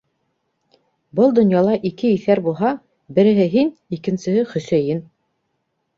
Был донъяла ике иҫәр буһа, береһе һин, икенсеһе Хөсәйен!